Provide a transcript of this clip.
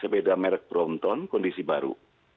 berbeda merk brompton kondisi baru